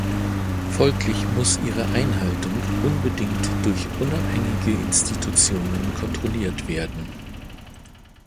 Folglich muss ihre Einhaltung unbedingt durch unabhängige Institutionen kontrolliert werden.